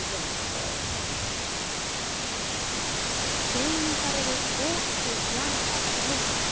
けん引される大きく壊れた白い車。